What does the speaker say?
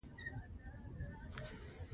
سیلابونه د افغان ځوانانو لپاره دلچسپي لري.